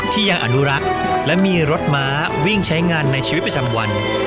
ยังอนุรักษ์และมีรถม้าวิ่งใช้งานในชีวิตประจำวัน